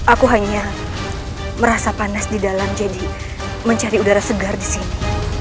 aku hanya merasa panas didalam jadi mencari udara segar disini